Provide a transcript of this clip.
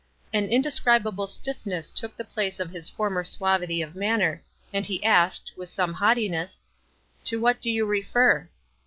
An inde scribable stiffness took the place of his former suavity of manner, and he asked, with some haughtiness, — "To what do you refer?"